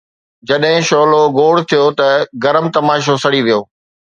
جڏهن شعلو گوڙ ٿيو ته گرم تماشو سڙي ويو